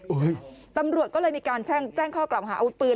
ตำรวจก็เลยมีการแจ้งแจ้งข้อกล่าวหาอาวุธปืน